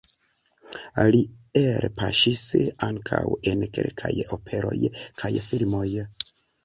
Li elpaŝis ankaŭ en kelkaj operoj kaj filmoj.